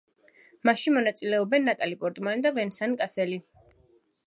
მასში მონაწილეობენ ნატალი პორტმანი და ვენსან კასელი.